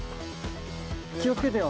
気を付けてよ。